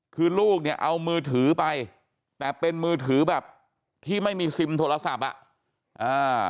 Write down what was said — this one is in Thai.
คือลูกเนี่ยเอามือถือไปแต่เป็นมือถือแบบที่ไม่มีซิมโทรศัพท์อ่ะอ่า